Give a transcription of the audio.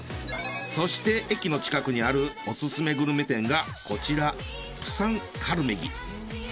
そして駅の近くにあるオススメグルメ店がこちらプサンカルメギ。